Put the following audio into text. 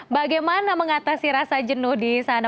bagaimana mengatasi rasa jenuh di sana